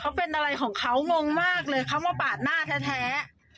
เขาเป็นอะไรของเขางงมากเลยเขามาปาดหน้าแท้